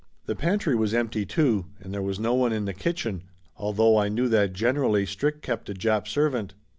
The pan try was empty, too, and there was no one in the kitchen, although I knew that generally Strick kept a Jap ser vant.